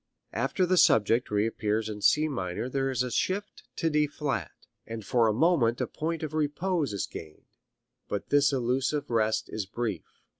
After the subject reappears in C minor there is a shift to D flat, and for a moment a point of repose is gained, but this elusive rest is brief.